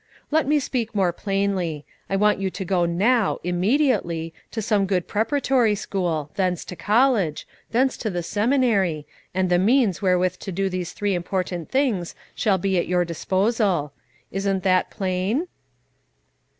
"Let me speak more plainly. I want you to go now, immediately, to some good preparatory school, thence to college, thence to the seminary, and the means wherewith to do these three important things shall be at your disposal. Isn't that plain?"